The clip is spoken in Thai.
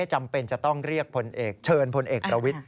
จำเป็นจะต้องเรียกพลเอกเชิญพลเอกประวิทธิ